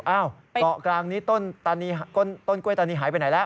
เกาะกลางนี้ต้นกล้วยตานีหายไปไหนแล้ว